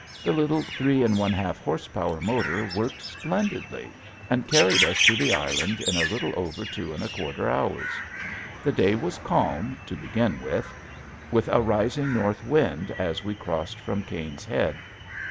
The little three and one half horse power motor worked splendidly and carried us to the island in a little over two and a quarter hours. The day was calm, to begin with, with a rising north wind as we crossed from Caine's Head.